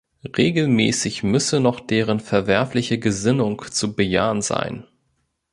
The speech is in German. Regelmäßig müsse noch deren verwerfliche Gesinnung zu bejahen sein.